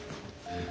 うん。